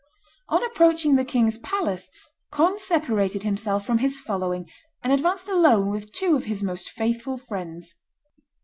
On approaching the king's palace Conde separated himself from his following, and advanced alone with two of his most faithful friends.